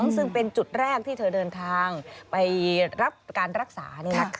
ซึ่งเป็นจุดแรกที่เธอเดินทางไปรับการรักษา